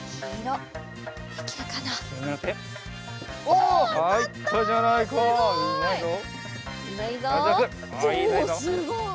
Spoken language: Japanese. おすごい！